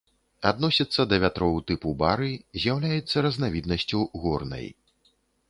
Адносіцца да вятроў тыпу бары, з'яўляецца разнавіднасцю горнай.